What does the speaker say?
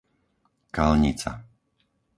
Kalnica